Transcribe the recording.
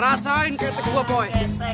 rasain ketek gua poe